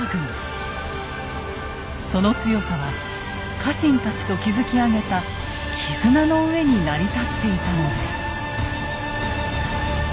その強さは家臣たちと築き上げた絆の上に成り立っていたのです。